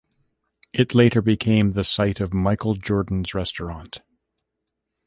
It later became the site of Michael Jordan's Restaurant.